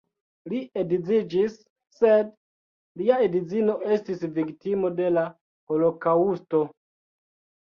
Li edziĝis, sed lia edzino estis viktimo de la holokaŭsto.